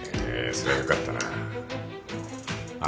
そりゃよかったなあ